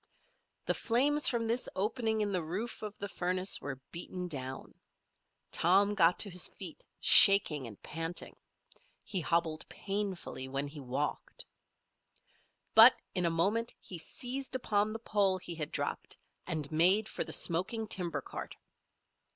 The flames from this opening in the roof of the furnace were beaten down. Tom got to his feet, shaking and panting. He hobbled painfully when he walked. But in a moment he seized upon the pole he had dropped and made for the smoking timber cart.